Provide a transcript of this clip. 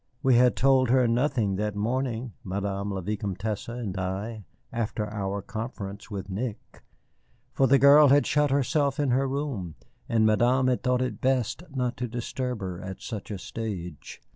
We had told her nothing that morning, Madame la Vicomtesse and I, after our conference with Nick. For the girl had shut herself in her room, and Madame had thought it best not to disturb her at such a stage.